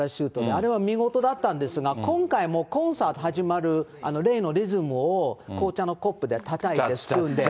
あれは見事だったんですが、今回もコンサート始まる例のリズムを、紅茶のコップでたたいて、スプーンで。